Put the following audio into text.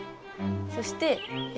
そしてえ